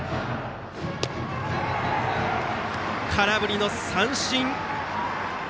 空振りの三振。